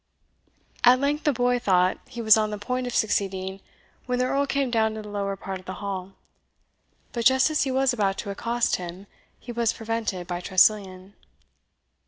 At length the boy thought he was on the point of succeeding when the Earl came down to the lower part of the hall; but just as he was about to accost him, he was prevented by Tressilian.